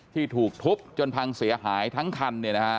ที่ถูกทุบจนพังเสียหายทั้งคัน